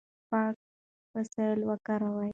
پاک وسایل وکاروئ.